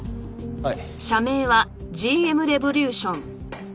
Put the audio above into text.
はい。